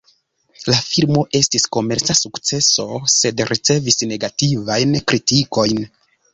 La filmo estis komerca sukceso sed ricevis negativajn kritikojn.